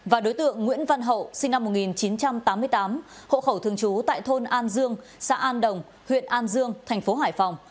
và đối tượng nguyễn văn hậu sinh năm một nghìn chín trăm tám mươi tám hộ khẩu thường trú tại thôn an dương xã an đồng huyện an dương thành phố hải phòng